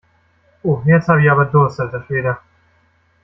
Puh, jetzt habe ich aber Durst, alter Schwede!